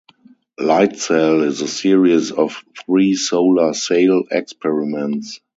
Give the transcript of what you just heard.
Lightsail is a series of three solar sail experiments.